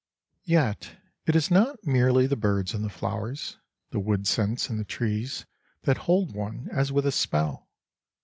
Yet it is not merely the birds and the flowers, the wood scents and the trees that hold one as with a spell.